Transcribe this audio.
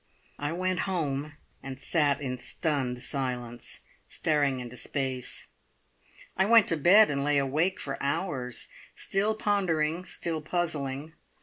I went home, and sat in stunned silence, staring into space. I went to bed and lay awake for hours, still pondering, still puzzling.